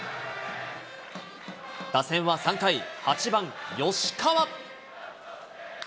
打線は３回、８番吉川。